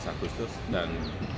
tujuh belas agustus dan